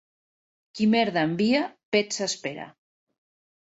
Qui merda envia, pets espera.